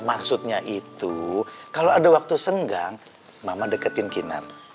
maksudnya itu kalau ada waktu senggang mama deketin kinar